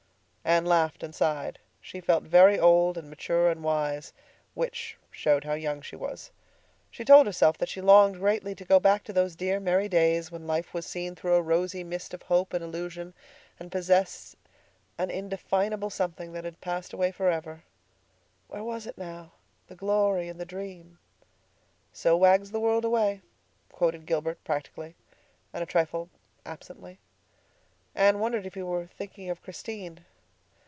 Anne laughed and sighed. She felt very old and mature and wise—which showed how young she was. She told herself that she longed greatly to go back to those dear merry days when life was seen through a rosy mist of hope and illusion, and possessed an indefinable something that had passed away forever. Where was it now—the glory and the dream? "'So wags the world away,'" quoted Gilbert practically, and a trifle absently. Anne wondered if he were thinking of Christine.